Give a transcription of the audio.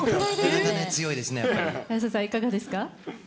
綾瀬さん、いかがですか？